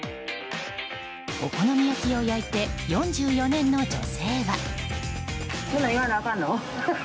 お好み焼きを焼いて４４年の女性は。